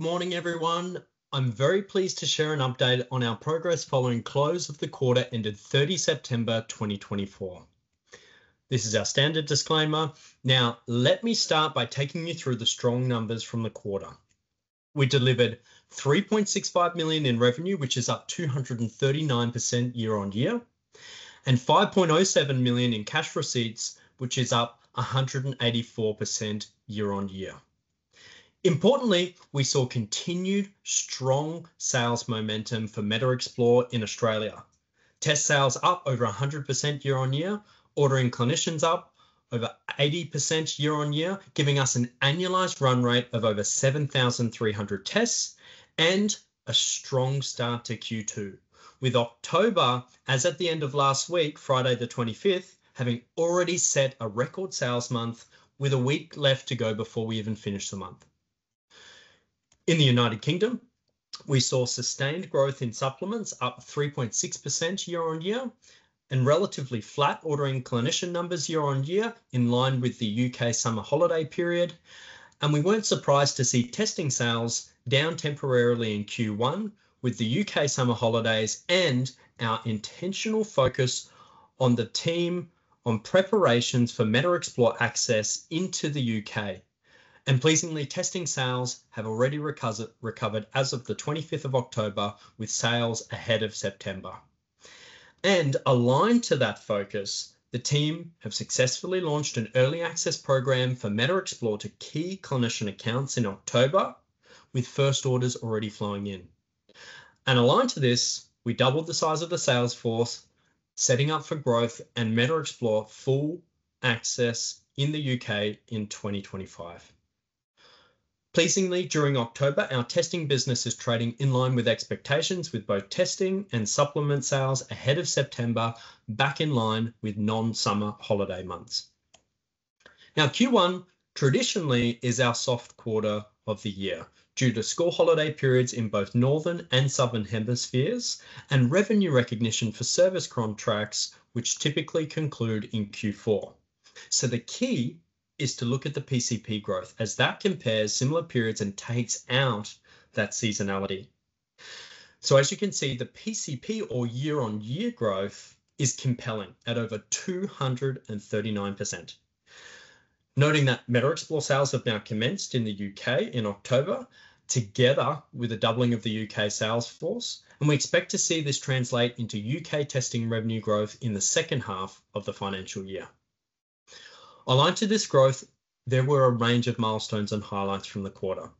Good morning, everyone. I'm very pleased to share an update on our progress following close of the quarter, ended 30 September 2024. This is our standard disclaimer. Now, let me start by taking you through the strong numbers from the quarter. We delivered 3.65 million in revenue, which is up 239% year on year, and 5.07 million in cash receipts, which is up 184% year on year. Importantly, we saw continued strong sales momentum for MetaXplore in Australia. Test sales up over 100% year on year, ordering clinicians up over 80% year on year, giving us an annualized run rate of over 7,300 tests, and a strong start to Q2, with October, as at the end of last week, Friday the twenty-fifth, having already set a record sales month with a week left to go before we even finish the month. In the United Kingdom, we saw sustained growth in supplements up 3.6% year on year, and relatively flat ordering clinician numbers year on year in line with the U.K. summer holiday period, and we weren't surprised to see testing sales down temporarily in Q1 with the U.K. summer holidays and our intentional focus on the team on preparations for MetaXplore access into the U.K. Pleasingly, testing sales have already recovered as of the twenty-fifth of October, with sales ahead of September. Aligned to that focus, the team have successfully launched an early access program for MetaXplore to key clinician accounts in October, with first orders already flowing in. Aligned to this, we doubled the size of the sales force, setting up for growth and MetaXplore full access in the U.K. in twenty twenty-five. Pleasingly, during October, our testing business is trading in line with expectations, with both testing and supplement sales ahead of September, back in line with non-summer holiday months. Now, Q1 traditionally is our soft quarter of the year due to school holiday periods in both northern and southern hemispheres, and revenue recognition for service contracts, which typically conclude in Q4. So the key is to look at the PCP growth as that compares similar periods and takes out that seasonality. So as you can see, the PCP or year-on-year growth is compelling at over 239%. Noting that MetaXplore sales have now commenced in the U.K. in October, together with a doubling of the U.K. sales force, and we expect to see this translate into U.K. testing revenue growth in the second half of the financial year. Aligned to this growth, there were a range of milestones and highlights from the quarter.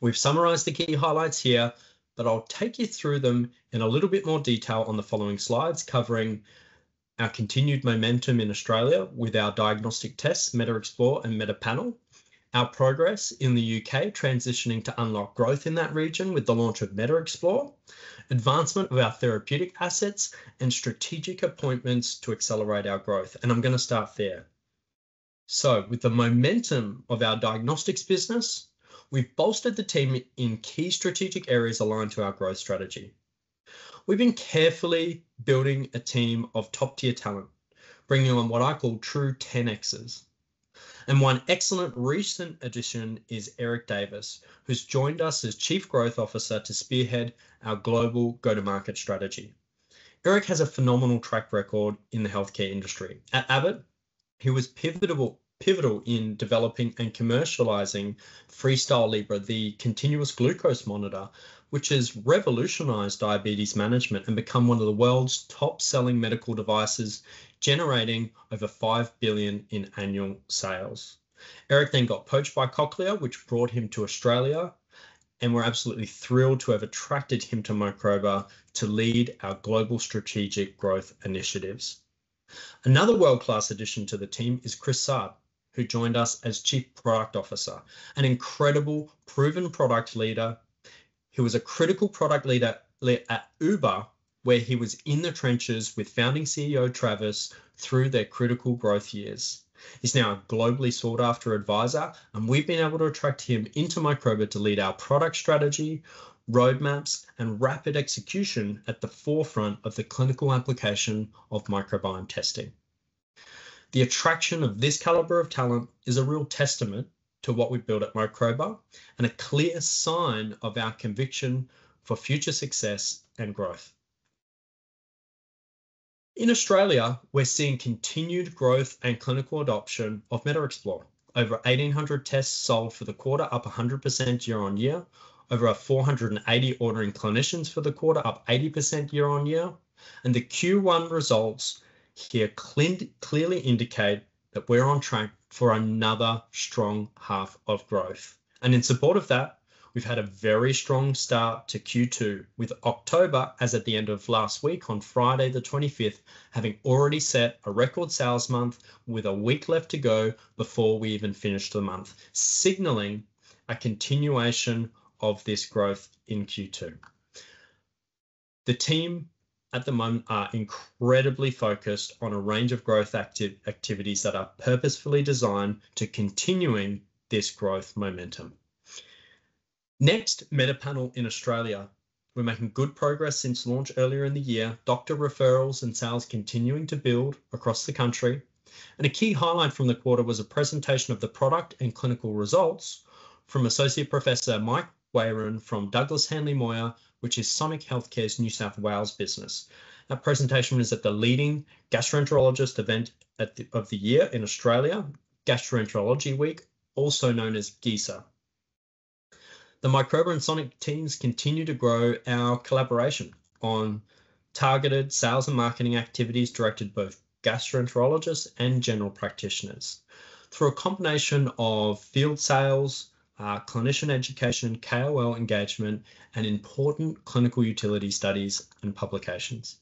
We've summarized the key highlights here, but I'll take you through them in a little bit more detail on the following slides, covering our continued momentum in Australia with our diagnostic tests, MetaXplore and MetaPanel, our progress in the U.K., transitioning to unlock growth in that region with the launch of MetaXplore, advancement of our therapeutic assets, and strategic appointments to accelerate our growth, and I'm going to start there. So with the momentum of our diagnostics business, we've bolstered the team in key strategic areas aligned to our growth strategy. We've been carefully building a team of top-tier talent, bringing on what I call true 10Xs. And one excellent recent addition is Eric Davis, who's joined us as Chief Growth Officer to spearhead our global go-to-market strategy. Eric has a phenomenal track record in the healthcare industry. At Abbott, he was pivotal in developing and commercializing FreeStyle Libre, the continuous glucose monitor, which has revolutionized diabetes management and become one of the world's top-selling medical devices, generating over $5 billion in annual sales. Eric then got poached by Cochlear, which brought him to Australia, and we're absolutely thrilled to have attracted him to Microba to lead our global strategic growth initiatives. Another world-class addition to the team is Chris Saad, who joined us as Chief Product Officer, an incredible, proven product leader. He was a critical product leader at Uber, where he was in the trenches with founding CEO Travis through their critical growth years. He's now a globally sought-after advisor, and we've been able to attract him into Microba to lead our product strategy, roadmaps, and rapid execution at the forefront of the clinical application of microbiome testing. The attraction of this caliber of talent is a real testament to what we've built at Microba and a clear sign of our conviction for future success and growth. In Australia, we're seeing continued growth and clinical adoption of MetaXplore. Over 1,800 tests sold for the quarter, up 100% year on year. Over 480 ordering clinicians for the quarter, up 80% year on year. The Q1 results here clearly indicate that we're on track for another strong half of growth. In support of that, we've had a very strong start to Q2, with October, as at the end of last week, on Friday the twenty-fifth, having already set a record sales month with a week left to go before we even finish the month, signaling a continuation of this growth in Q2. The team at the moment are incredibly focused on a range of growth activities that are purposefully designed to continuing this growth momentum. Next, MetaPanel in Australia. We're making good progress since launch earlier in the year. Doctor referrals and sales continuing to build across the country, and a key highlight from the quarter was a presentation of the product and clinical results from Associate Professor Mike Wearne from Douglas Hanly Moir, which is Sonic Healthcare's New South Wales business. That presentation was at the leading gastroenterologist event of the year in Australia, Australian Gastroenterology Week, also known as GESA. The Microba and Sonic teams continue to grow our collaboration on targeted sales and marketing activities, directed both gastroenterologists and general practitioners. Through a combination of field sales, clinician education, KOL engagement, and important clinical utility studies and publications.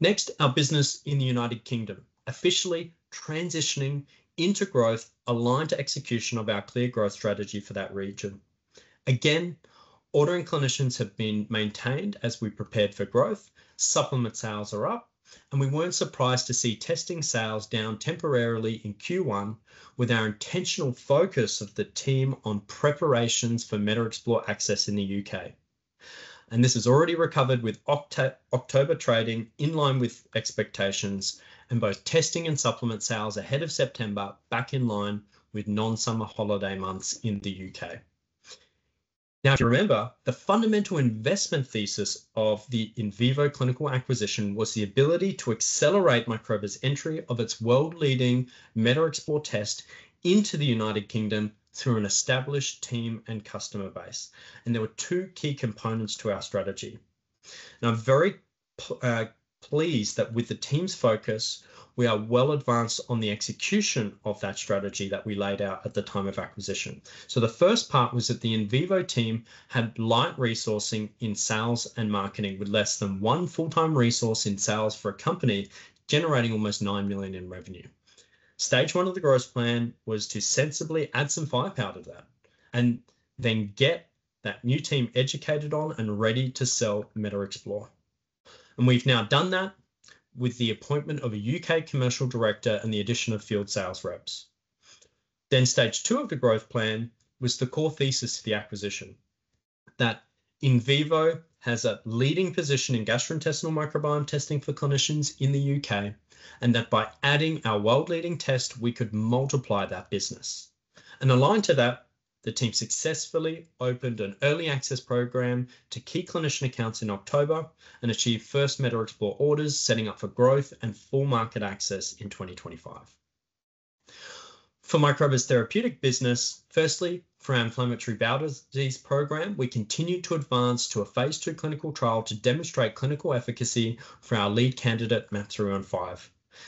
Next, our business in the United Kingdom, officially transitioning into growth aligned to execution of our clear growth strategy for that region. Again, ordering clinicians have been maintained as we prepared for growth, supplement sales are up, and we weren't surprised to see testing sales down temporarily in Q1 with our intentional focus of the team on preparations for MetaXplore access in the U.K. And this has already recovered with October trading in line with expectations, and both testing and supplement sales ahead of September back in line with non-summer holiday months in the U.K. Now, if you remember, the fundamental investment thesis of the Invivo Clinical acquisition was the ability to accelerate Microba's entry of its world-leading MetaXplore test into the United Kingdom through an established team and customer base, and there were two key components to our strategy. Now, I'm very pleased that with the team's focus, we are well advanced on the execution of that strategy that we laid out at the time of acquisition. So the first part was that the Invivo team had light resourcing in sales and marketing, with less than one full-time resource in sales for a company generating almost 9 million in revenue. Stage one of the growth plan was to sensibly add some firepower to that, and then get that new team educated on and ready to sell MetaXplore. And we've now done that with the appointment of a U.K. commercial director and the addition of field sales reps. Then stage two of the growth plan was the core thesis to the acquisition, that Invivo has a leading position in gastrointestinal microbiome testing for clinicians in the U.K., and that by adding our world-leading test, we could multiply that business. And aligned to that, the team successfully opened an early access program to key clinician accounts in October and achieved first MetaXplore orders, setting up for growth and full market access in twenty twenty-five. For Microba's therapeutic business, firstly, for our inflammatory bowel disease program, we continued to advance to a phase two clinical trial to demonstrate clinical efficacy for our lead candidate, MAP 315.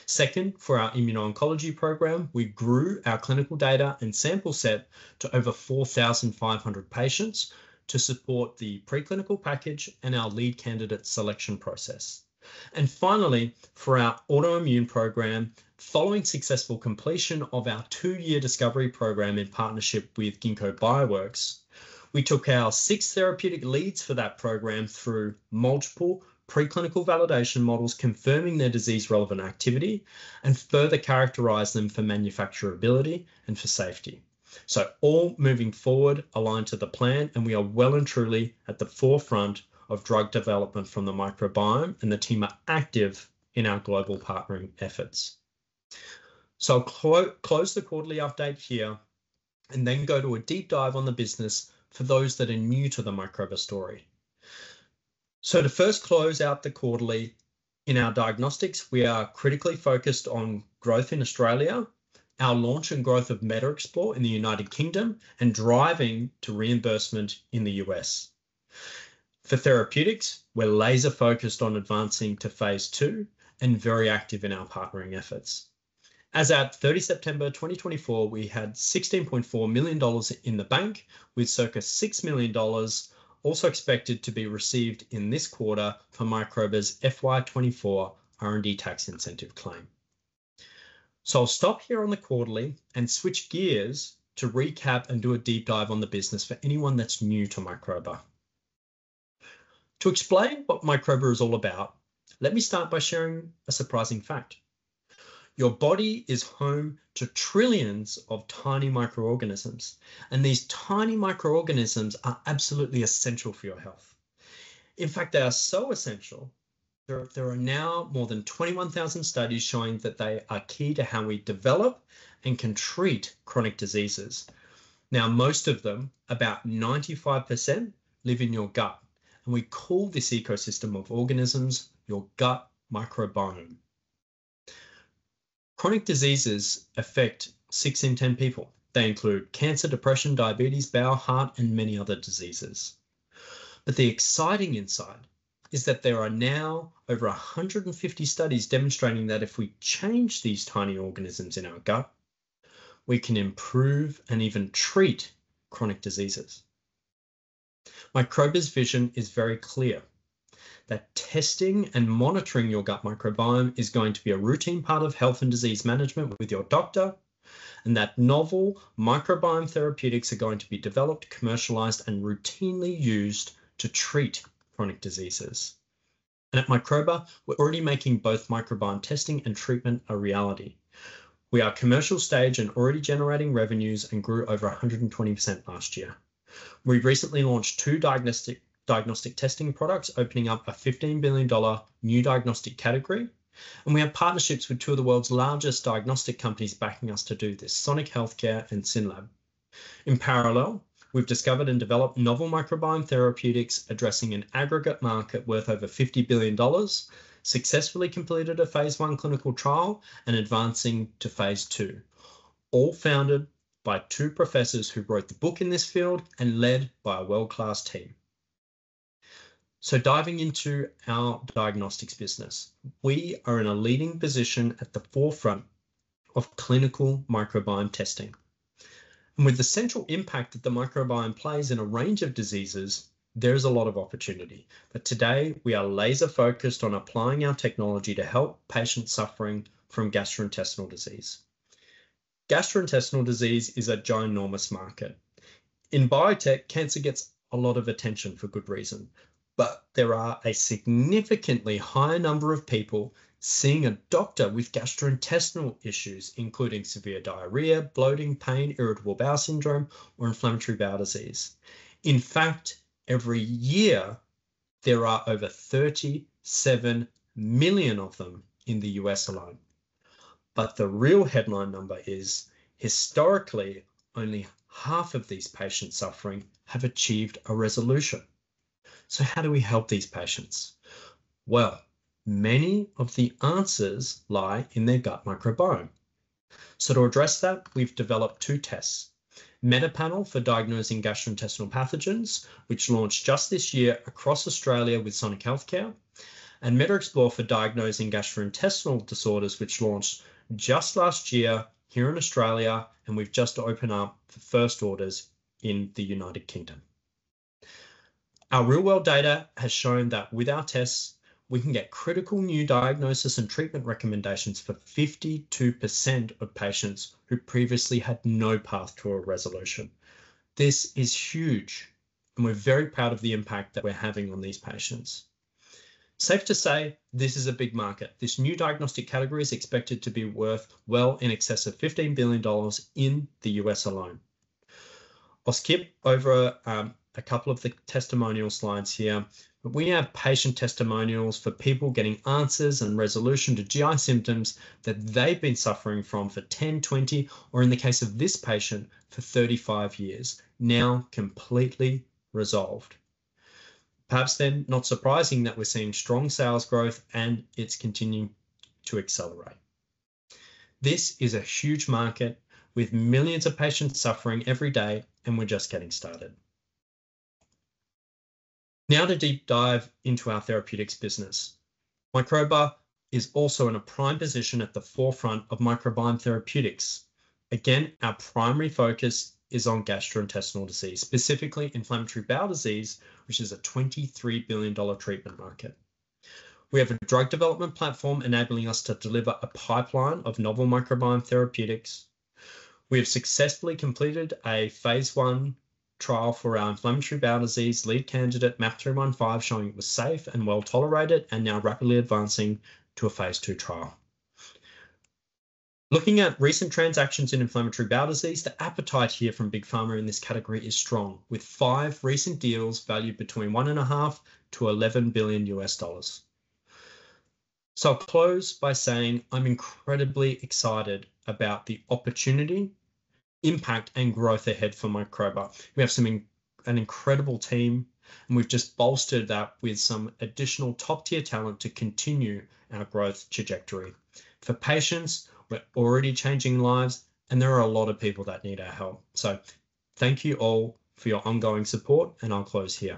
Second, for our immuno-oncology program, we grew our clinical data and sample set to over 4,500 patients to support the preclinical package and our lead candidate selection process. Finally, for our autoimmune program, following successful completion of our two-year discovery program in partnership with Ginkgo Bioworks, we took our six therapeutic leads for that program through multiple preclinical validation models, confirming their disease-relevant activity, and further characterized them for manufacturability and for safety. All moving forward aligned to the plan, and we are well and truly at the forefront of drug development from the microbiome, and the team are active in our global partnering efforts. I'll close the quarterly update here, and then go to a deep dive on the business for those that are new to the Microba story. To first close out the quarterly, in our diagnostics, we are critically focused on growth in Australia, our launch and growth of MetaXplore in the United Kingdom, and driving to reimbursement in the U.S. For therapeutics, we're laser focused on advancing to phase Two and very active in our partnering efforts. As at 30 September 2024, we had 16.4 million dollars in the bank, with circa 6 million dollars also expected to be received in this quarter for Microba's FY twenty-four R&D tax incentive claim. So I'll stop here on the quarterly and switch gears to recap and do a deep dive on the business for anyone that's new to Microba. To explain what Microba is all about, let me start by sharing a surprising fact. Your body is home to trillions of tiny microorganisms, and these tiny microorganisms are absolutely essential for your health. In fact, they are so essential, there are now more than 21,000 studies showing that they are key to how we develop and can treat chronic diseases. Now, most of them, about 95%, live in your gut, and we call this ecosystem of organisms your gut microbiome. Chronic diseases affect six in ten people. They include cancer, depression, diabetes, bowel, heart, and many other diseases. But the exciting insight is that there are now over 150 studies demonstrating that if we change these tiny organisms in our gut, we can improve and even treat chronic diseases. Microba's vision is very clear, that testing and monitoring your gut microbiome is going to be a routine part of health and disease management with your doctor, and that novel microbiome therapeutics are going to be developed, commercialized, and routinely used to treat chronic diseases... and at Microba, we're already making both microbiome testing and treatment a reality. We are commercial stage and already generating revenues and grew over 120% last year. We've recently launched two diagnostic testing products, opening up a $15 billion new diagnostic category, and we have partnerships with two of the world's largest diagnostic companies backing us to do this: Sonic Healthcare and SYNLAB. In parallel, we've discovered and developed novel microbiome therapeutics addressing an aggregate market worth over $50 billion, successfully completed a phase one clinical trial, and advancing to phase two, all founded by two professors who wrote the book in this field and led by a world-class team. So diving into our diagnostics business, we are in a leading position at the forefront of clinical microbiome testing. And with the central impact that the microbiome plays in a range of diseases, there is a lot of opportunity. But today, we are laser focused on applying our technology to help patients suffering from gastrointestinal disease. Gastrointestinal disease is a ginormous market. In biotech, cancer gets a lot of attention for good reason, but there are a significantly higher number of people seeing a doctor with gastrointestinal issues, including severe diarrhea, bloating, pain, irritable bowel syndrome, or inflammatory bowel disease. In fact, every year, there are over 37 million of them in the U.S. alone. But the real headline number is, historically, only half of these patients suffering have achieved a resolution. So how do we help these patients? Well, many of the answers lie in their gut microbiome. So to address that, we've developed two tests: MetaPanel for diagnosing gastrointestinal pathogens, which launched just this year across Australia with Sonic Healthcare, and MetaXplore for diagnosing gastrointestinal disorders, which launched just last year here in Australia, and we've just opened up the first orders in the United Kingdom. Our real-world data has shown that with our tests, we can get critical new diagnosis and treatment recommendations for 52% of patients who previously had no path to a resolution. This is huge, and we're very proud of the impact that we're having on these patients. Safe to say, this is a big market. This new diagnostic category is expected to be worth well in excess of $15 billion in the U.S. alone. I'll skip over a couple of the testimonial slides here, but we have patient testimonials for people getting answers and resolution to GI symptoms that they've been suffering from for 10, 20, or in the case of this patient, for 35 years, now completely resolved. Perhaps then, not surprising that we're seeing strong sales growth, and it's continuing to accelerate. This is a huge market with millions of patients suffering every day, and we're just getting started. Now, to deep dive into our therapeutics business. Microba is also in a prime position at the forefront of microbiome therapeutics. Again, our primary focus is on gastrointestinal disease, specifically inflammatory bowel disease, which is a $23 billion treatment market. We have a drug development platform enabling us to deliver a pipeline of novel microbiome therapeutics. We have successfully completed a phase one trial for our inflammatory bowel disease lead candidate, MAP 315, showing it was safe and well tolerated and now rapidly advancing to a phase two trial. Looking at recent transactions in inflammatory bowel disease, the appetite here from Big Pharma in this category is strong, with five recent deals valued between $1.5 billion to $11 billion. So I'll close by saying I'm incredibly excited about the opportunity, impact, and growth ahead for Microba. We have some incredible team, and we've just bolstered that with some additional top-tier talent to continue our growth trajectory. For patients, we're already changing lives, and there are a lot of people that need our help. So thank you all for your ongoing support, and I'll close here.